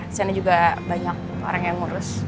disana juga banyak orang yang ngurus